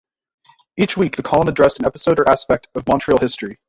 Each week the column addressed an episode or aspect of Montreal history.